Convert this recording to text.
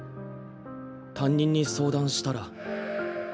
担任に相談したら。